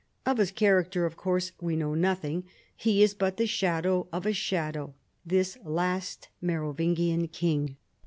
Of bis character, of course, we know nothing. He is but the shadow of a shadow, this last Merovinman kino